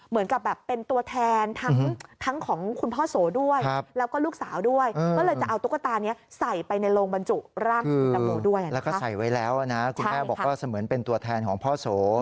แม่บอกว่าเสมือนเป็นตัวแทนของพ่อโส